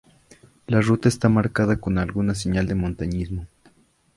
La ruta está marcada con alguna señal de montañismo.